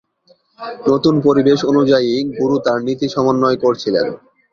নতুন পরিবেশ অনুযায়ী, গুরু তার নীতি সমন্বয় করছিলেন।